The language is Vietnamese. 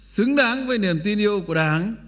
xứng đáng với niềm tin yêu của đảng